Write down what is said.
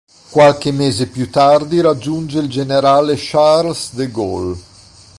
Qualche mese più tardi raggiunge il generale Charles de Gaulle.